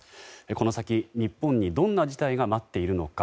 この先、日本にどんな事態が待っているのか。